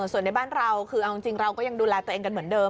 ส่วนในบ้านเราคือเอาจริงเราก็ยังดูแลตัวเองกันเหมือนเดิม